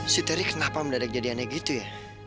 si teri kenapa mendadak jadi aneh gitu ya